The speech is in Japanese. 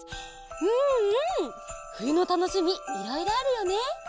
うんうんふゆのたのしみいろいろあるよね。